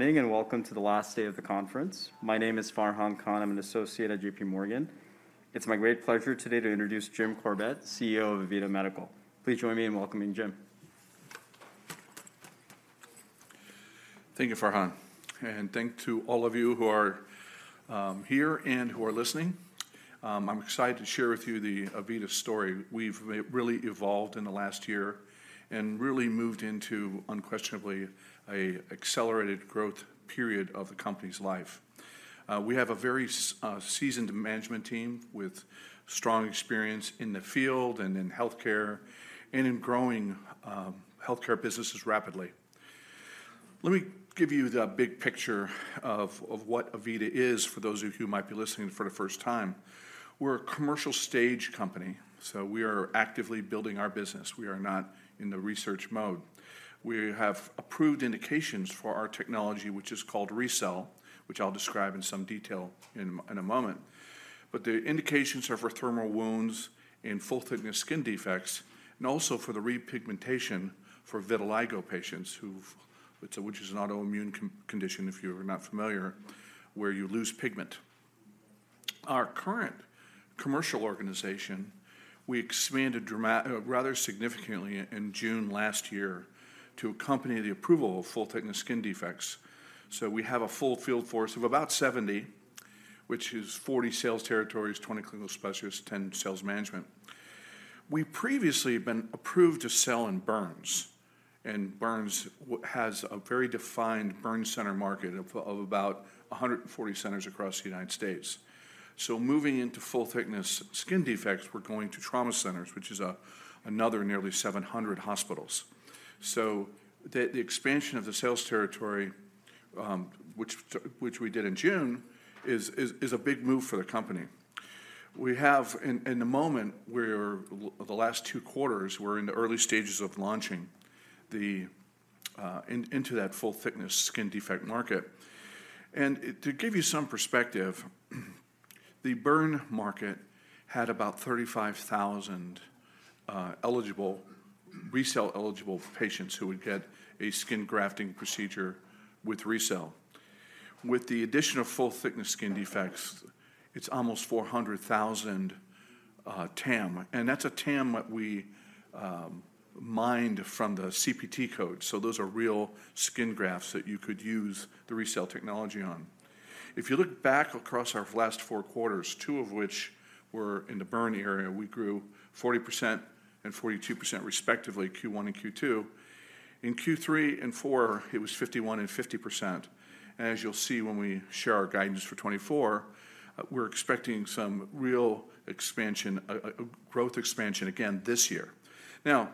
Good morning, and welcome to the last day of the conference. My name is Farhan Khan. I'm an associate at JPMorgan. It's my great pleasure today to introduce Jim Corbett, CEO of AVITA Medical. Please join me in welcoming Jim. Thank you, Farhan, and thank to all of you who are here and who are listening. I'm excited to share with you the AVITA story. We've really evolved in the last year and really moved into unquestionably, a accelerated growth period of the company's life. We have a very seasoned management team with strong experience in the field and in healthcare, and in growing healthcare businesses rapidly. Let me give you the big picture of what AVITA is for those of you who might be listening for the first time. We're a commercial stage company, so we are actively building our business. We are not in the research mode. We have approved indications for our technology, which is called RECELL, which I'll describe in some detail in a moment. But the indications are for thermal wounds and full-thickness skin defects, and also for the repigmentation for vitiligo patients, which is an autoimmune condition, if you are not familiar, where you lose pigment. Our current commercial organization, we expanded rather significantly in June last year to accompany the approval of full-thickness skin defects. So we have a full field force of about 70, which is 40 sales territories, 20 clinical specialists, 10 sales management. We've previously been approved to sell in burns, and burns has a very defined burn center market of about 140 centers across the United States. So moving into full-thickness skin defects, we're going to trauma centers, which is another nearly 700 hospitals. So the expansion of the sales territory, which we did in June, is a big move for the company. We have in the moment, the last two quarters, we're in the early stages of launching into that full-thickness skin defect market. And to give you some perspective, the burn market had about 35,000 eligible RECELL-eligible patients who would get a skin grafting procedure with RECELL. With the addition of full-thickness skin defects, it's almost 400,000 TAM, and that's a TAM that we mined from the CPT code, so those are real skin grafts that you could use the RECELL technology on. If you look back across our last four quarters, two of which were in the burn area, we grew 40% and 42% respectively, Q1 and Q2. In Q3 and Q4, it was 51% and 50%, and as you'll see when we share our guidance for 2024, we're expecting some real expansion, a growth expansion again this year. Now,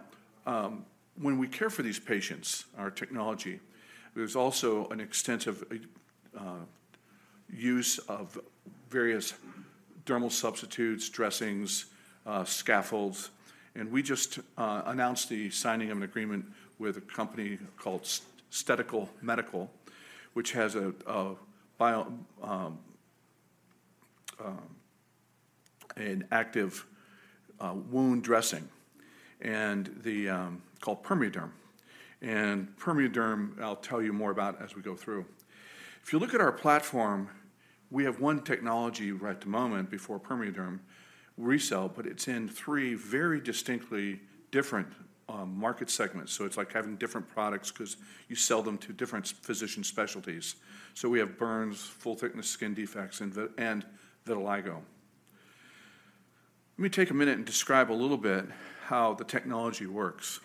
when we care for these patients, our technology, there's also an extensive use of various dermal substitutes, dressings, scaffolds, and we just announced the signing of an agreement with a company called Stedical Medical, which has a and active wound dressing called PermeaDerm. And PermeaDerm, I'll tell you more about as we go through. If you look at our platform, we have one technology right at the moment before PermeaDerm, RECELL, but it's in three very distinctly different market segments, so it's like having different products 'cause you sell them to different physician specialties. So we have burns, full-thickness skin defects, and vitiligo. Let me take a minute and describe a little bit how the technology works.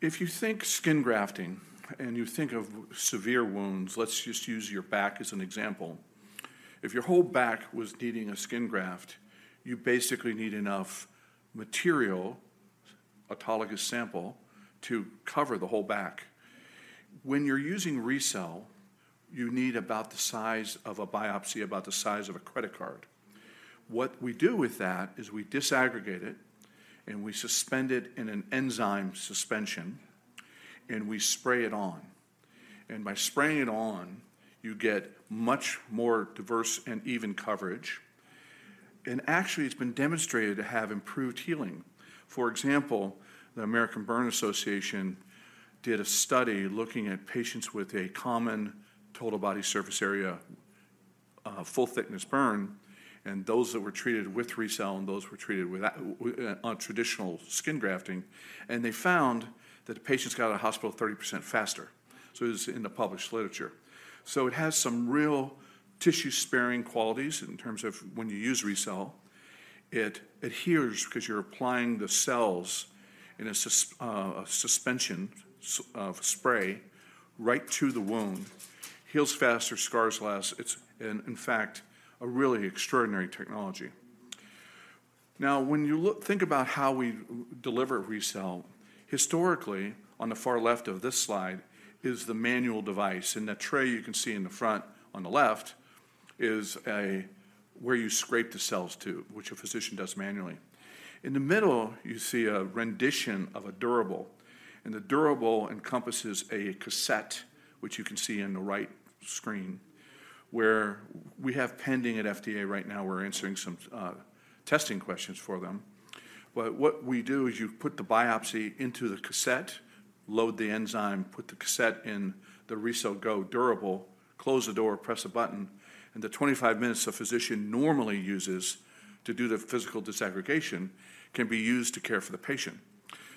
If you think skin grafting, and you think of severe wounds, let's just use your back as an example. If your whole back was needing a skin graft, you basically need enough material, autologous sample, to cover the whole back. When you're using RECELL, you need about the size of a biopsy, about the size of a credit card. What we do with that is we disaggregate it, and we suspend it in an enzyme suspension, and we spray it on. And by spraying it on, you get much more diverse and even coverage, and actually, it's been demonstrated to have improved healing. For example, the American Burn Association did a study looking at patients with a common total body surface area, full-thickness burn, and those that were treated with RECELL and those treated without on traditional skin grafting, and they found that the patients got out of hospital 30% faster. So it's in the published literature. So it has some real tissue-sparing qualities in terms of when you use RECELL. It adheres because you're applying the cells in a suspension spray right to the wound. Heals faster, scars less. It's, in fact, a really extraordinary technology. Now, when you think about how we deliver RECELL, historically, on the far left of this slide, is the manual device, and the tray you can see in the front on the left is a where you scrape the cells to, which a physician does manually. In the middle, you see a rendition of a durable, and the durable encompasses a cassette, which you can see in the right screen, where we have pending at FDA right now. We're answering some testing questions for them. But what we do is you put the biopsy into the cassette, load the enzyme, put the cassette in the RECELL GO durable, close the door, press a button, and the 25 minutes a physician normally uses to do the physical disaggregation can be used to care for the patient.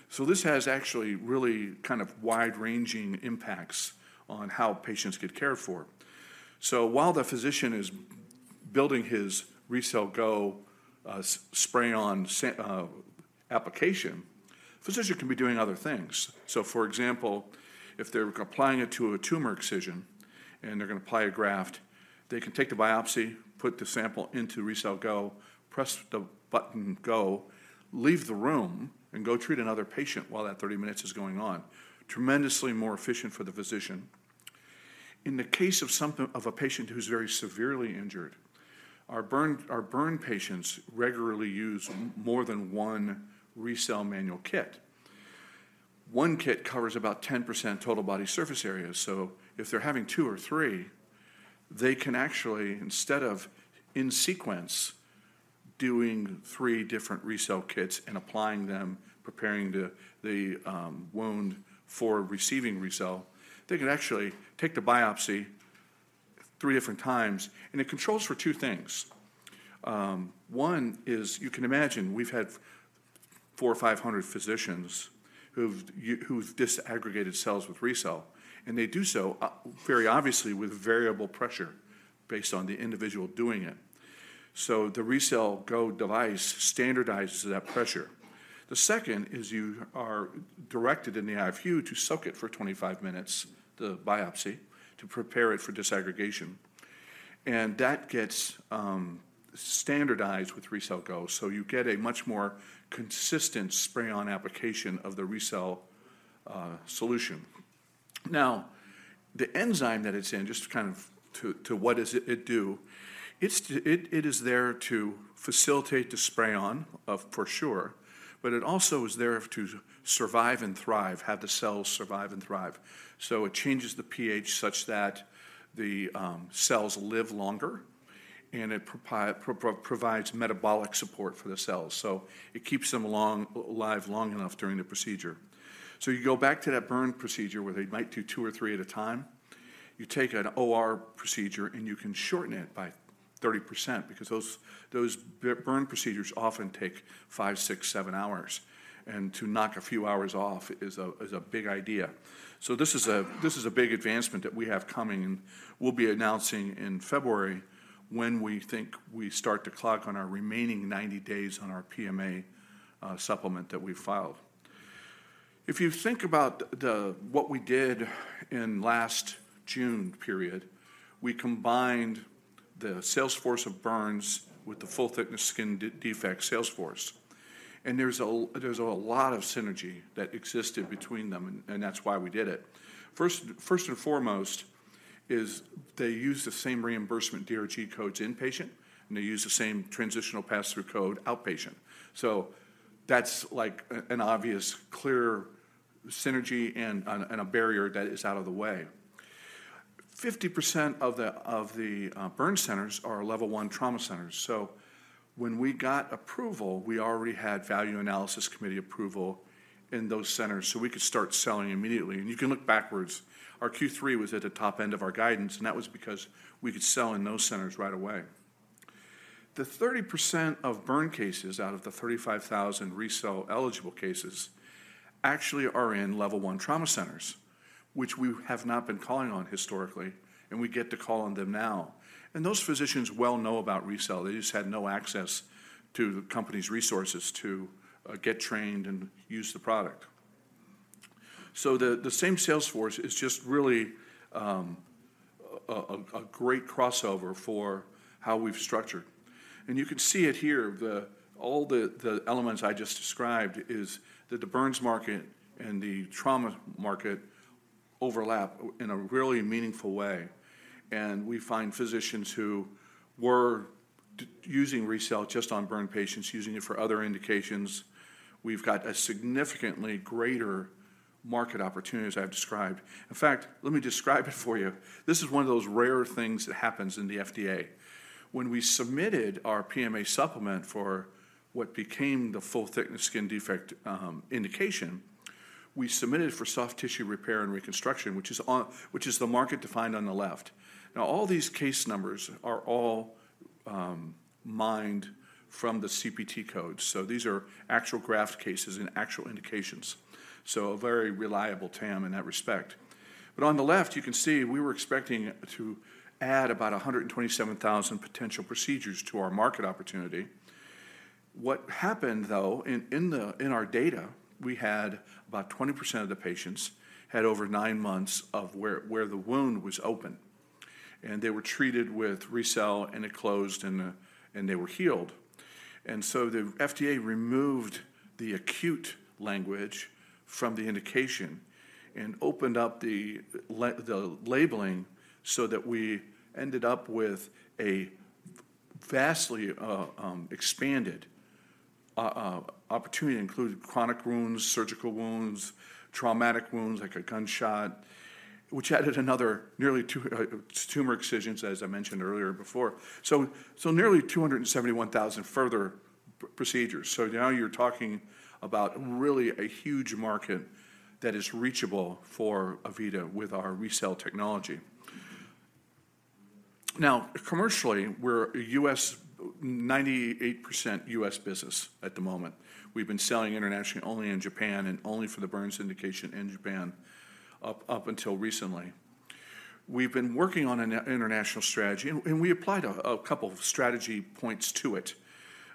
So this has actually really kind of wide-ranging impacts on how patients get cared for. So while the physician is building his RECELL GO, spray-on application, physician can be doing other things. So, for example, if they're applying it to a tumor excision and they're gonna apply a graft, they can take the biopsy, put the sample into RECELL GO, press the button go, leave the room, and go treat another patient while that 30 minutes is going on. Tremendously more efficient for the physician. In the case of something of a patient who's very severely injured, our burn, our burn patients regularly use more than one RECELL manual kit. One kit covers about 10% total body surface area, so if they're having two or three, they can actually, instead of in sequence, doing three different RECELL kits and applying them, preparing the wound for receiving RECELL, they can actually take the biopsy three different times, and it controls for two things. One is, you can imagine we've had 400 or 500 physicians who've disaggregated cells with RECELL, and they do so very obviously with variable pressure based on the individual doing it. So the RECELL GO device standardizes that pressure. The second is you are directed in the IFU to soak it for 25 minutes, the biopsy, to prepare it for disaggregation, and that gets standardized with RECELL GO, so you get a much more consistent spray-on application of the RECELL solution. Now, the enzyme that it's in, just to kind of, what does it do? It's to, it is there to facilitate the spray on, for sure, but it also is there to survive and thrive, have the cells survive and thrive. So it changes the pH such that the cells live longer, and it provides metabolic support for the cells, so it keeps them alive long enough during the procedure. So you go back to that burn procedure, where they might do two or three at a time. You take an OR procedure, and you can shorten it by 30% because those burn procedures often take five, six, seven hours, and to knock a few hours off is a big idea. So this is a big advancement that we have coming, and we'll be announcing in February when we think we start to clock on our remaining 90 days on our PMA supplement that we filed. If you think about what we did in last June period, we combined the sales force of burns with the full-thickness skin defect sales force, and there's a lot of synergy that existed between them, and that's why we did it. First and foremost is they use the same reimbursement DRG codes inpatient, and they use the same transitional pass-through code outpatient. So that's, like, an obvious, clear synergy and a barrier that is out of the way. 50% of the burn centers are Level I trauma centers, so when we got approval, we already had Value Analysis Committee approval in those centers, so we could start selling immediately. You can look backwards. Our Q3 was at the top end of our guidance, and that was because we could sell in those centers right away. The 30% of burn cases out of the 35,000 RECELL-eligible cases actually are in Level I trauma centers, which we have not been calling on historically, and we get to call on them now. And those physicians well know about RECELL. They just had no access to the company's resources to get trained and use the product. So the same sales force is just really a great crossover for how we've structured. And you can see it here, the, all the elements I just described is that the burns market and the trauma market overlap in a really meaningful way, and we find physicians who were using RECELL just on burn patients, using it for other indications. We've got a significantly greater market opportunity, as I've described. In fact, let me describe it for you. This is one of those rare things that happens in the FDA. When we submitted our PMA supplement for what became the full-thickness skin defect indication, we submitted for soft tissue repair and reconstruction, which is the market defined on the left. Now, all these case numbers are all mined from the CPT code, so these are actual graft cases and actual indications, so a very reliable TAM in that respect. But on the left, you can see we were expecting to add about 127,000 potential procedures to our market opportunity. What happened, though, in our data, we had about 20% of the patients had over nine months of where the wound was open, and they were treated with RECELL, and it closed, and they were healed. And so the FDA removed the acute language from the indication and opened up the labeling so that we ended up with a vastly expanded opportunity included chronic wounds, surgical wounds, traumatic wounds, like a gunshot, which added another nearly two tumor excisions, as I mentioned earlier before. So nearly 271,000 further procedures. So now you're talking about really a huge market that is reachable for AVITA with our RECELL technology. Now, commercially, we're a U.S., 98% U.S. business at the moment. We've been selling internationally only in Japan and only for the burns indication in Japan up until recently. We've been working on an international strategy, and we applied a couple of strategy points to it.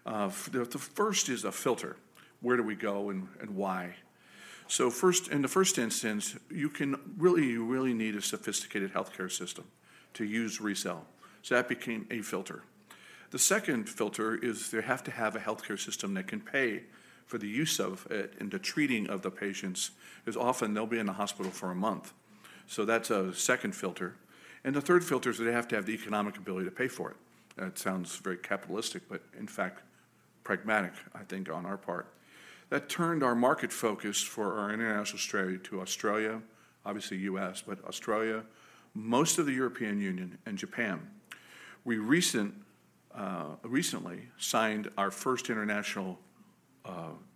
The first is a filter. Where do we go and why? So first, in the first instance, you can really, you really need a sophisticated healthcare system to use RECELL. So that became a filter. The second filter is they have to have a healthcare system that can pay for the use of it and the treating of the patients, 'cause often they'll be in the hospital for a month. So that's a second filter. The third filter is they have to have the economic ability to pay for it. That sounds very capitalistic, but in fact, pragmatic, I think, on our part. That turned our market focus for our international strategy to Australia, obviously U.S., but Australia, most of the European Union, and Japan. We recently signed our first international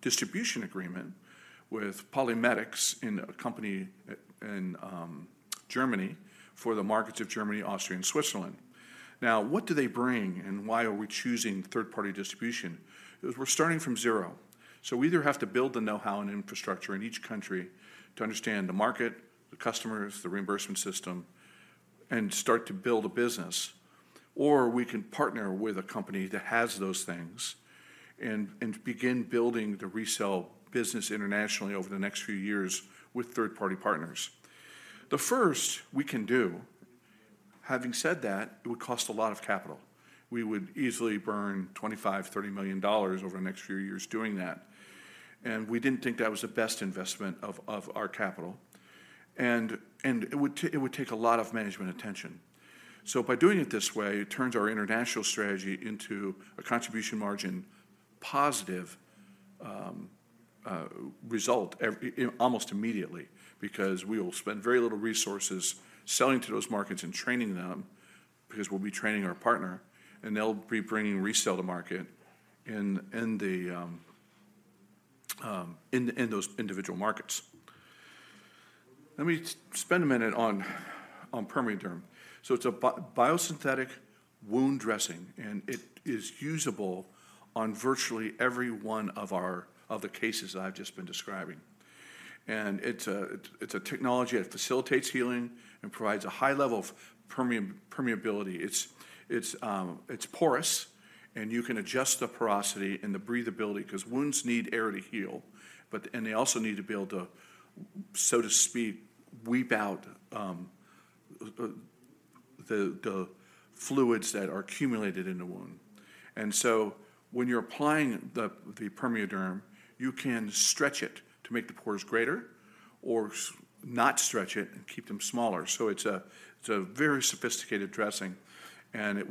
distribution agreement with PolyMedics, a company in Germany for the markets of Germany, Austria, and Switzerland. Now, what do they bring, and why are we choosing third-party distribution? 'Cause we're starting from zero, so we either have to build the know-how and infrastructure in each country to understand the market, the customers, the reimbursement system, and start to build a business, or we can partner with a company that has those things and begin building the RECELL business internationally over the next few years with third-party partners. The first, we can do. Having said that, it would cost a lot of capital. We would easily burn $25 million-$30 million over the next few years doing that, and we didn't think that was the best investment of our capital. And it would take a lot of management attention. So by doing it this way, it turns our international strategy into a contribution margin positive result almost immediately, because we will spend very little resources selling to those markets and training them, because we'll be training our partner, and they'll be bringing RECELL to market in those individual markets. Let me spend a minute on PermeaDerm. So it's a biosynthetic wound dressing, and it is usable on virtually every one of our cases that I've just been describing. It's a technology that facilitates healing and provides a high level of permeability. It's porous, and you can adjust the porosity and the breathability 'cause wounds need air to heal, but they also need to be able to, so to speak, weep out the fluids that are accumulated in the wound. And so when you're applying the PermeaDerm, you can stretch it to make the pores greater or not stretch it and keep them smaller. So it's a very sophisticated dressing, and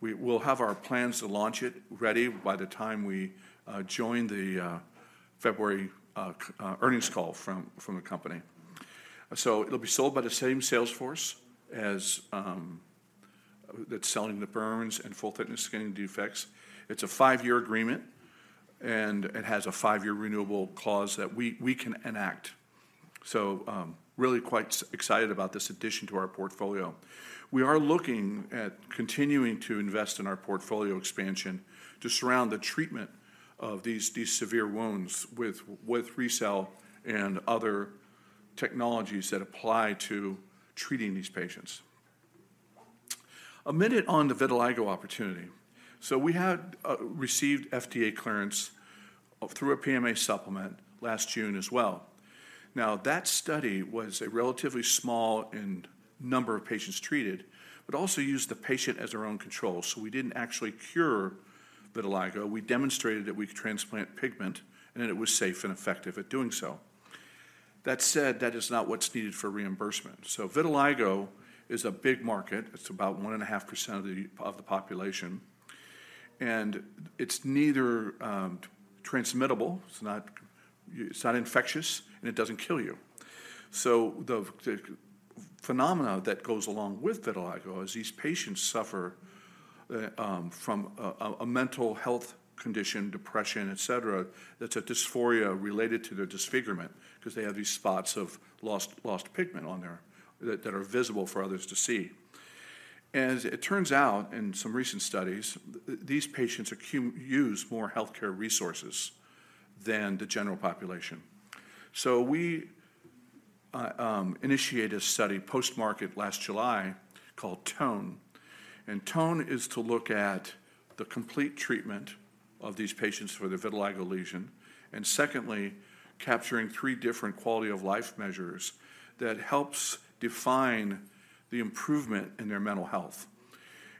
we will have our plans to launch it ready by the time we join the February earnings call from the company. So it'll be sold by the same sales force as that's selling the burns and full-thickness skin defects. It's a five-year agreement, and it has a five-year renewable clause that we, we can enact. So, really quite excited about this addition to our portfolio. We are looking at continuing to invest in our portfolio expansion to surround the treatment of these, these severe wounds with, with RECELL and other technologies that apply to treating these patients. A minute on the vitiligo opportunity. So we had received FDA clearance through a PMA supplement last June as well. Now, that study was a relatively small in number of patients treated, but also used the patient as their own control. So we didn't actually cure vitiligo. We demonstrated that we could transplant pigment and that it was safe and effective at doing so. That said, that is not what's needed for reimbursement. So vitiligo is a big market. It's about 1.5% of the population, and it's neither transmittable, it's not infectious, and it doesn't kill you. So the phenomena that goes along with vitiligo is these patients suffer from a mental health condition, depression, et cetera, that's a dysphoria related to their disfigurement because they have these spots of lost pigment on there that are visible for others to see. And it turns out, in some recent studies, these patients use more healthcare resources than the general population. So we initiate a study post-market last July called TONE, and TONE is to look at the complete treatment of these patients for their vitiligo lesion, and secondly, capturing three different quality-of-life measures that helps define the improvement in their mental health.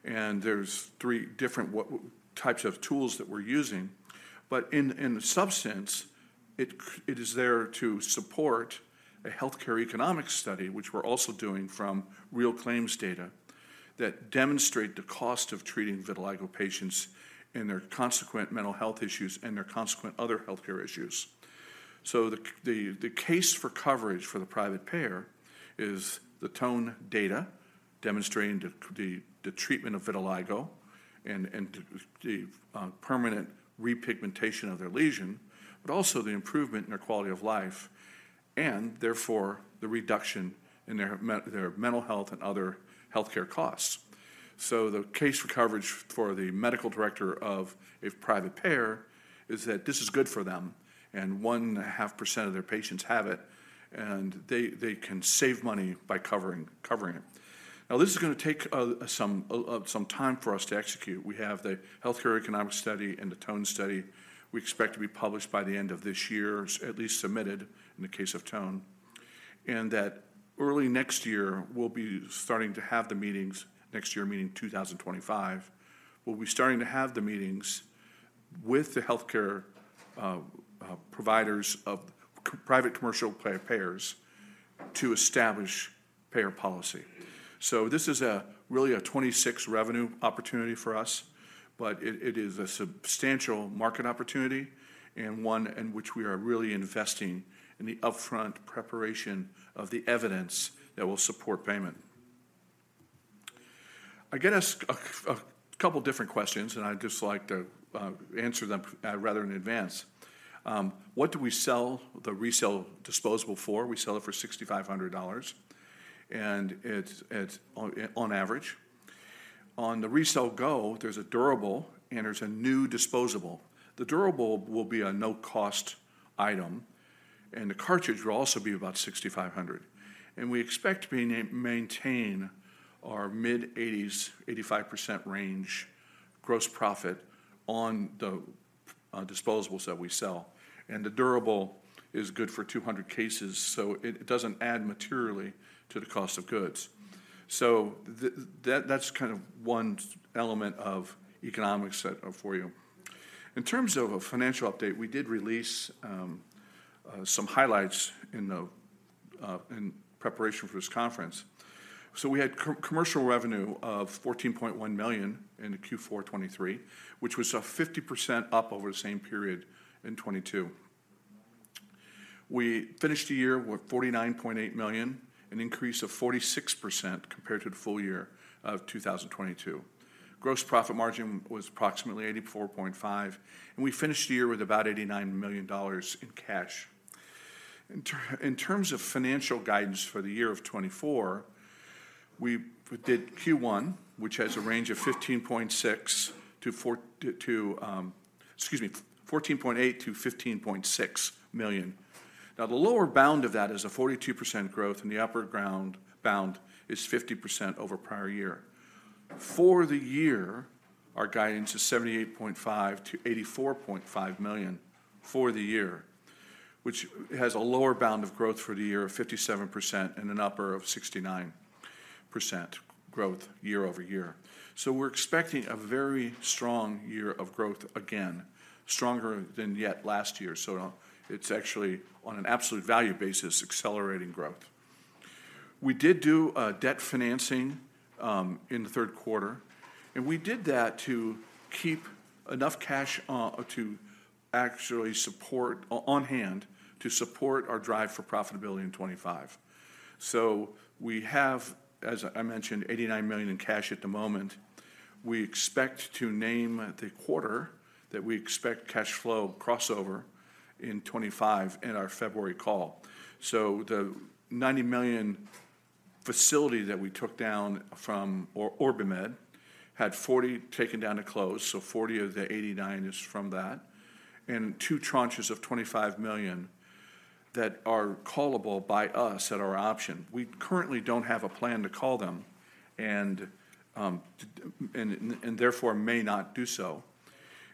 And there's three different what we, types of tools that we're using. But in the substance, it is there to support a healthcare economic study, which we're also doing from real claims data, that demonstrate the cost of treating vitiligo patients and their consequent mental health issues and their consequent other healthcare issues. So the case for coverage for the private payer is the TONE data demonstrating the treatment of vitiligo and the permanent repigmentation of their lesion, but also the improvement in their quality of life, and therefore, the reduction in their mental health and other healthcare costs. So the case for coverage for the medical director of a private payer is that this is good for them, and 1.5% of their patients have it, and they can save money by covering it. Now, this is gonna take some time for us to execute. We have the healthcare economic study and the TONE study we expect to be published by the end of this year, at least submitted in the case of TONE, and that early next year, we'll be starting to have the meetings. Next year, meaning 2025, we'll be starting to have the meetings with the healthcare providers of private commercial payers to establish payer policy. So this is really a 2026 revenue opportunity for us, but it is a substantial market opportunity and one in which we are really investing in the upfront preparation of the evidence that will support payment. I get asked a couple different questions, and I'd just like to answer them rather in advance. What do we sell the RECELL disposable for? We sell it for $6,500, and it's on average. On the RECELL GO, there's a durable, and there's a new disposable. The durable will be a no-cost item, and the cartridge will also be about $6,500. And we expect to maintain our mid-80s, 85% range gross profit on the disposables that we sell. And the durable is good for 200 cases, so it doesn't add materially to the cost of goods. So that's kind of one element of economics that for you. In terms of a financial update, we did release some highlights in preparation for this conference. So we had commercial revenue of $14.1 million in the Q4 2023, which was up 50% over the same period in 2022. We finished the year with $49.8 million, an increase of 46% compared to the full year of 2022. Gross profit margin was approximately 84.5%, and we finished the year with about $89 million in cash. In terms of financial guidance for the year of 2024, we did Q1, which has a range of $14.8 million-$15.6 million. Now, the lower bound of that is a 42% growth, and the upper bound is 50% over prior year. For the year, our guidance is $78.5 million-$84.5 million for the year, which has a lower bound of growth for the year of 57% and an upper of 69% growth year-over-year. So we're expecting a very strong year of growth, again, stronger than yet last year. So it's actually, on an absolute value basis, accelerating growth. We did do debt financing in the third quarter, and we did that to keep enough cash to actually support on hand, to support our drive for profitability in 2025. So we have, as I mentioned, $89 million in cash at the moment. We expect to name the quarter that we expect cash flow crossover in 2025 in our February call. So the $90 million facility that we took down from OrbiMed had 40 taken down to close, so 40 of the 89 is from that, and two tranches of $25 million that are callable by us at our option. We currently don't have a plan to call them and therefore may not do so,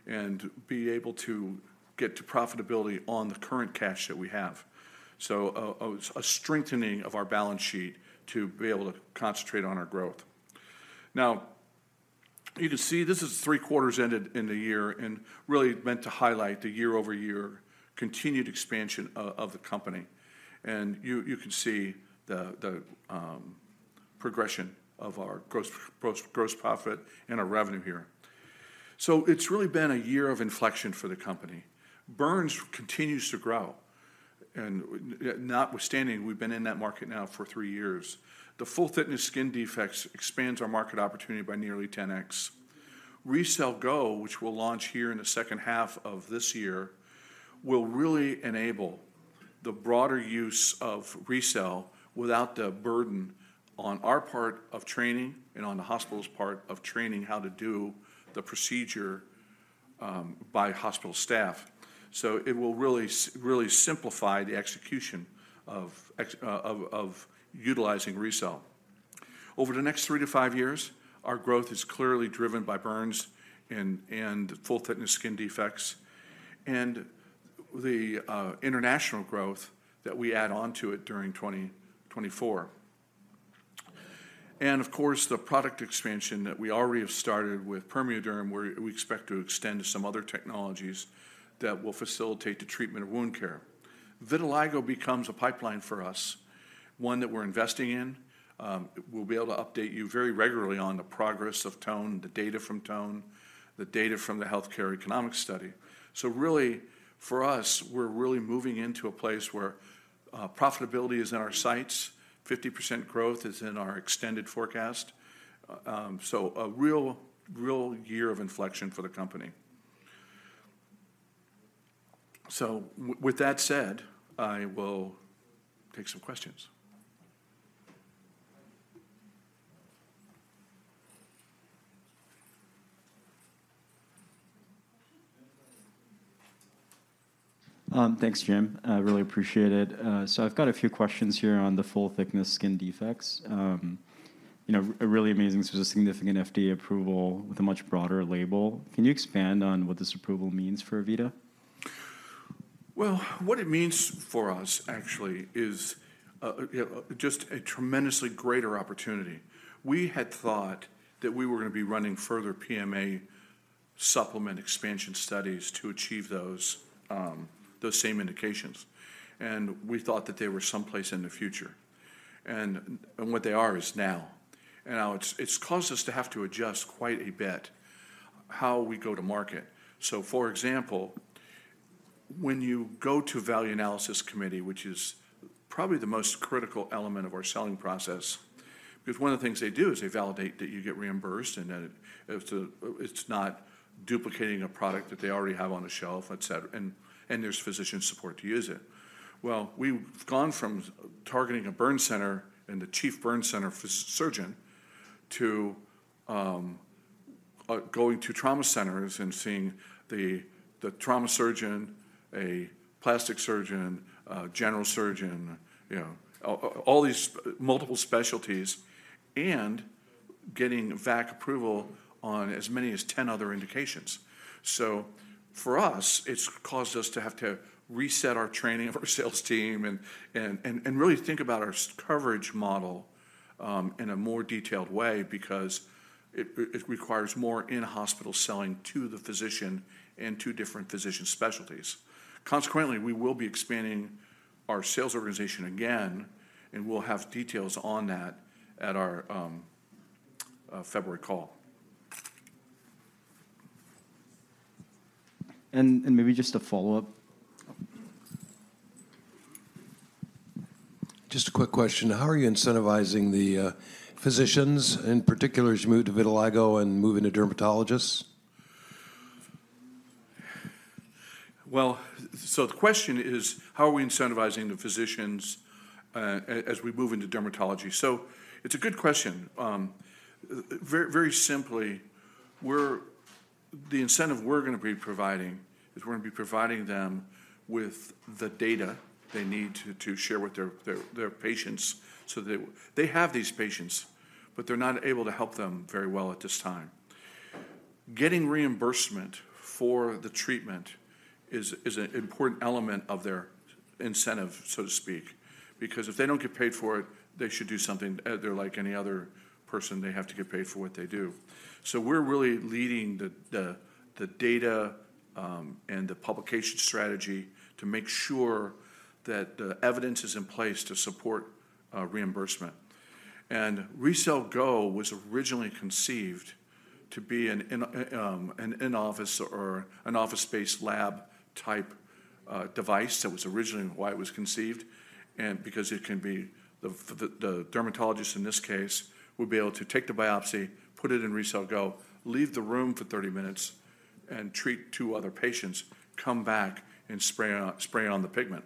and be able to get to profitability on the current cash that we have. So a strengthening of our balance sheet to be able to concentrate on our growth. Now, you can see this is three quarters ended in the year and really meant to highlight the year-over-year continued expansion of the company, and you can see the progression of our gross profit and our revenue here. So it's really been a year of inflection for the company. Burns continues to grow, and notwithstanding, we've been in that market now for three years. The full-thickness skin defects expands our market opportunity by nearly 10x. RECELL GO, which we'll launch here in the second half of this year, will really enable the broader use of RECELL without the burden on our part of training and on the hospital's part of training how to do the procedure by hospital staff. So it will really simplify the execution of utilizing RECELL. Over the next three to five years, our growth is clearly driven by burns and full-thickness skin defects and the international growth that we add on to it during 2024. And of course, the product expansion that we already have started with PermeaDerm, where we expect to extend to some other technologies that will facilitate the treatment of wound care. Vitiligo becomes a pipeline for us, one that we're investing in. We'll be able to update you very regularly on the progress of TONE, the data from TONE, the data from the healthcare economic study. So really, for us, we're really moving into a place where profitability is in our sights, 50% growth is in our extended forecast. So a real, real year of inflection for the company. So with that said, I will take some questions. Thanks, Jim. I really appreciate it. So I've got a few questions here on the full-thickness skin defects. You know, a really amazing, this was a significant FDA approval with a much broader label. Can you expand on what this approval means for AVITA? Well, what it means for us actually is just a tremendously greater opportunity. We had thought that we were gonna be running further PMA supplement expansion studies to achieve those same indications, and we thought that they were someplace in the future. And what they are is now. And now, it's caused us to have to adjust quite a bit how we go to market. So, for example, when you go to a Value Analysis Committee, which is probably the most critical element of our selling process, because one of the things they do is they validate that you get reimbursed and that if it's not duplicating a product that they already have on the shelf, et cetera, and there's physician support to use it. Well, we've gone from targeting a burn center and the chief burn center surgeon to going to trauma centers and seeing the trauma surgeon, a plastic surgeon, a general surgeon, you know, all these multiple specialties, and getting VAC approval on as many as 10 other indications. So for us, it's caused us to have to reset our training of our sales team and really think about our sales coverage model in a more detailed way because it requires more in-hospital selling to the physician and to different physician specialties. Consequently, we will be expanding our sales organization again, and we'll have details on that at our February call. And maybe just a follow-up. Just a quick question. How are you incentivizing the physicians, in particular, as you move to vitiligo and move into dermatologists? Well, so the question is, how are we incentivizing the physicians as we move into dermatology? So it's a good question. Very simply, the incentive we're gonna be providing is we're gonna be providing them with the data they need to share with their patients, so they, they have these patients, but they're not able to help them very well at this time. Getting reimbursement for the treatment is an important element of their incentive, so to speak, because if they don't get paid for it, they should do something. They're like any other person, they have to get paid for what they do. So we're really leading the data and the publication strategy to make sure that the evidence is in place to support reimbursement. RECELL GO was originally conceived to be an in-office or an office-based lab type device. That was originally why it was conceived, and because it can be the dermatologist, in this case, would be able to take the biopsy, put it in RECELL GO, leave the room for 30 minutes, and treat two other patients, come back, and spray on, spray on the pigment.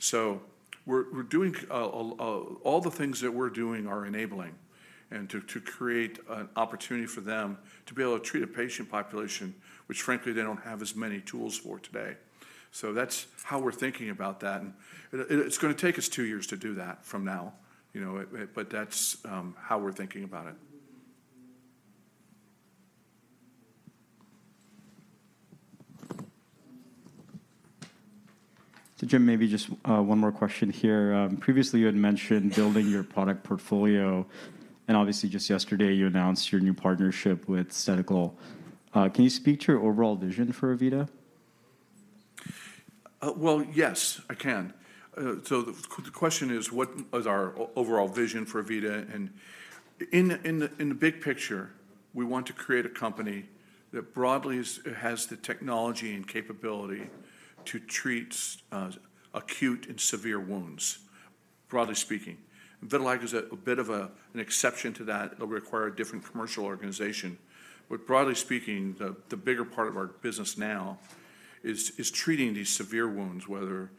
So we're doing all the things that we're doing are enabling and to create an opportunity for them to be able to treat a patient population, which frankly, they don't have as many tools for today. So that's how we're thinking about that, and it's gonna take us two years to do that from now, you know, but that's how we're thinking about it. So, Jim, maybe just one more question here. Previously, you had mentioned building your product portfolio, and obviously, just yesterday, you announced your new partnership with Stedical. Can you speak to your overall vision for AVITA? Well, yes, I can. So the question is, what is our overall vision for AVITA? And in the big picture, we want to create a company that broadly has the technology and capability to treat acute and severe wounds, broadly speaking. Vitiligo is a bit of an exception to that. It'll require a different commercial organization. But broadly speaking, the bigger part of our business now is treating these severe wounds, whether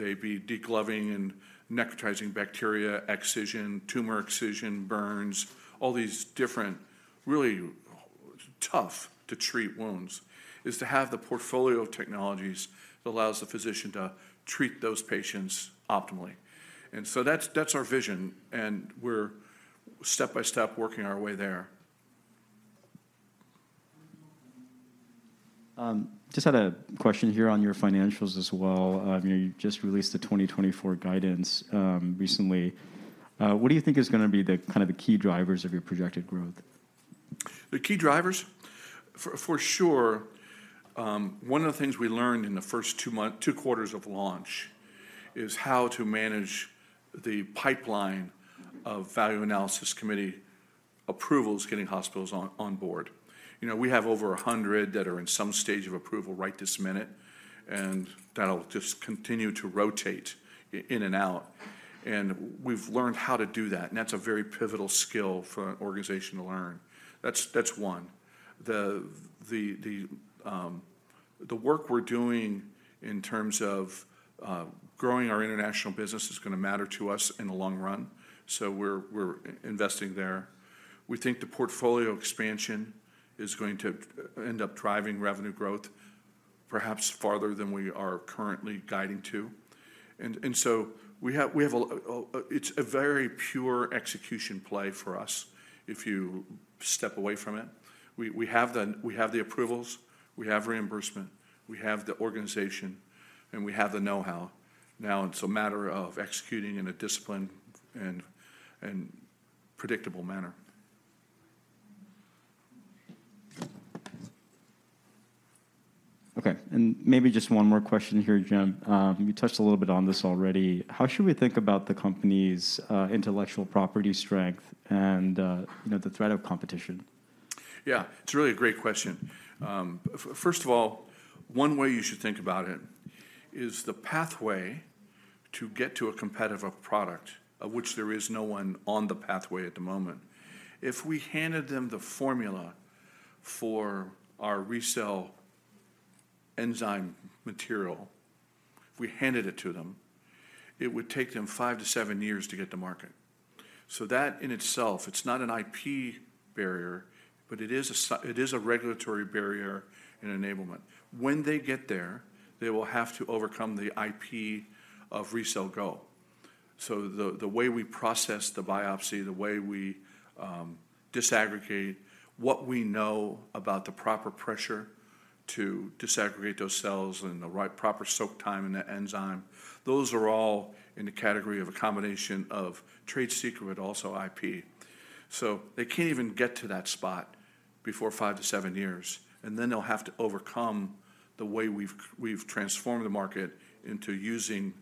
they be degloving and necrotizing bacteria, excision, tumor excision, burns, all these different, really tough to treat wounds, is to have the portfolio of technologies that allows the physician to treat those patients optimally. And so that's our vision, and we're step by step working our way there. Just had a question here on your financials as well. You know, you just released the 2024 guidance, recently. What do you think is gonna be the, kind of, the key drivers of your projected growth? The key drivers? For sure, one of the things we learned in the first two quarters of launch is how to manage the pipeline of Value Analysis Committee approvals, getting hospitals on board. You know, we have over 100 that are in some stage of approval right this minute, and that'll just continue to rotate in and out. And we've learned how to do that, and that's a very pivotal skill for an organization to learn. That's one. The work we're doing in terms of growing our international business is gonna matter to us in the long run, so we're investing there. We think the portfolio expansion is going to end up driving revenue growth, perhaps farther than we are currently guiding to. And so we have a. It's a very pure execution play for us, if you step away from it. We have the approvals, we have reimbursement, we have the organization, and we have the know-how. Now, it's a matter of executing in a disciplined and predictable manner. Okay, and maybe just one more question here, Jim. You touched a little bit on this already. How should we think about the company's intellectual property strength and, you know, the threat of competition? Yeah, it's really a great question. First of all, one way you should think about it is the pathway to get to a competitive product, of which there is no one on the pathway at the moment. If we handed them the formula for our RECELL Enzyme material, if we handed it to them, it would take them five to seven years to get to market. So that in itself, it's not an IP barrier, but it is a regulatory barrier and enablement. When they get there, they will have to overcome the IP of RECELL GO. So the way we process the biopsy, the way we disaggregate what we know about the proper pressure to disaggregate those cells and the right, proper soak time in that Enzyme, those are all in the category of a combination of trade secret, but also IP. So they can't even get to that spot before five to seven years, and then they'll have to overcome the way we've transformed the market into using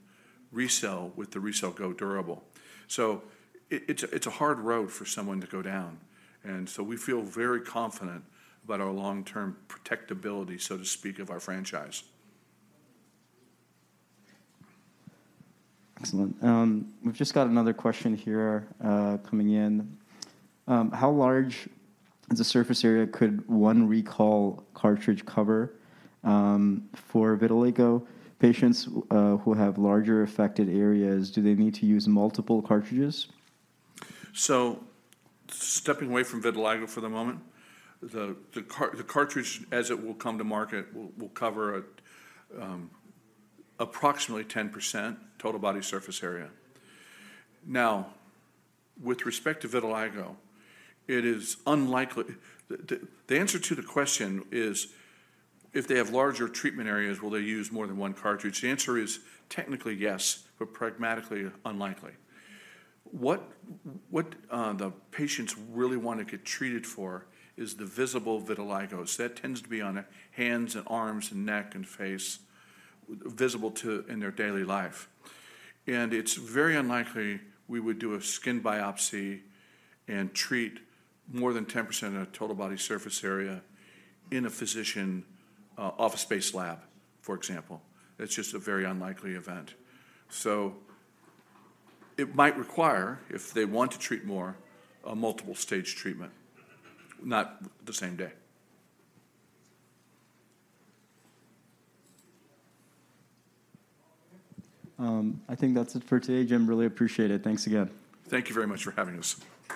RECELL with the RECELL GO durable. So it, it's a hard road for someone to go down, and so we feel very confident about our long-term protectability, so to speak, of our franchise. Excellent. We've just got another question here, coming in. How large is the surface area could one RECELL cartridge cover, for vitiligo patients, who have larger affected areas? Do they need to use multiple cartridges? So stepping away from vitiligo for the moment, the cartridge, as it will come to market, will cover approximately 10% total body surface area. Now, with respect to vitiligo, it is unlikely. The answer to the question is, if they have larger treatment areas, will they use more than one cartridge? The answer is technically yes, but pragmatically unlikely. What the patients really want to get treated for is the visible vitiligo. So that tends to be on the hands and arms and neck and face, visible to, in their daily life. And it's very unlikely we would do a skin biopsy and treat more than 10% of the total body surface area in a physician office space lab, for example. It's just a very unlikely event. It might require, if they want to treat more, a multiple-stage treatment, not the same day. I think that's it for today, Jim. Really appreciate it. Thanks again. Thank you very much for having us.